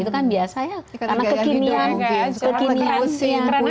itu kan biasa ya karena kekinian